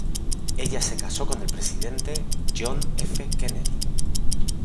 Ella se casó con el presidente John F. Kennedy.